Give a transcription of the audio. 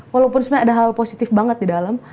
walaupun sebenarnya ada hal positif banget di dalam